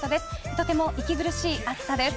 とても息苦しい暑さです。